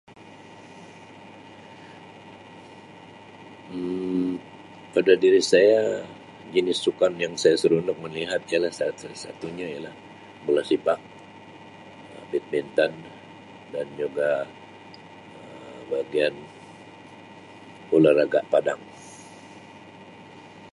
Um Pada diri saya jenis sukan yang saya seronok melihat ialah satu-satunya ialah bola sepak, Um badminton dan juga Um bahagian olaraga padang.